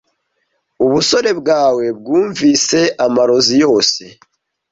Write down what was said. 'Ubusore bwawe bwumvise amarozi yose,